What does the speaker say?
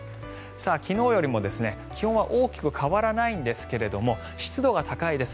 昨日よりも気温は大きくは変わらないんですが湿度が高いです。